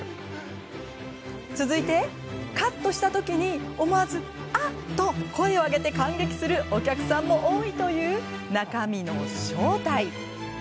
続いて、カットした時に思わずあっ！と声を上げて感激するお客さんも多いという中身の正体。